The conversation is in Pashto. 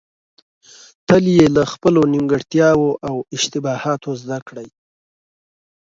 تل يې له خپلو نيمګړتياوو او اشتباهاتو زده کړئ.